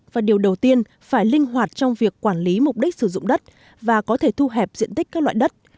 và điều đầu tiên phải linh hoạt trong việc quản lý mục đích sử dụng đất và có thể thu hẹp diện tích các loại đất